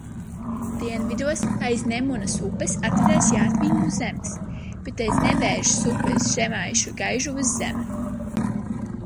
Dienvidos aiz Nemunas upes atradās jātvingu zemes, bet aiz Nevēžas upes žemaišu Gaižuvas zeme.